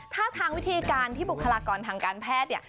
ถ้าทางวิธีการที่บุคลากรทางการแพทย์เนี่ย